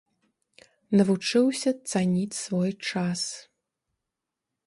Навучыўся цаніць свой час.